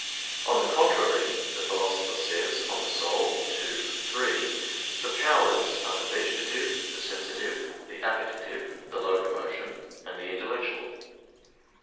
On the contrary, The Philosopher says (De Anima ii, 3), "The powers are the vegetative, the sensitive, the appetitive, the locomotion, and the intellectual."